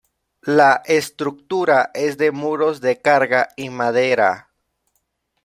La estructura es de muros de carga y madera.